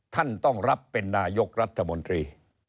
ท่านต้องรับเป็นนายกรัฐมนตรี